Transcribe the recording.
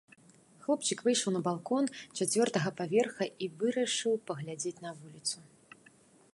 Хлопчык выйшаў на балкон чацвёртага паверха і вырашыў паглядзець на вуліцу.